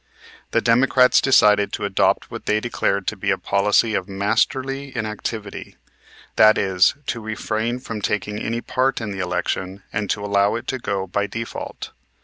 The Democrats decided to adopt what they declared to be a policy of "Masterly Inactivity," that is, to refrain from taking any part in the election and to allow it to go by default.